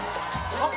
あっ！